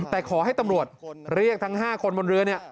แต่ขอให้ตำรวจเรียกทั้ง๕คนบนเรือเนี่ย